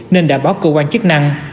nên đảm báo cơ quan chức năng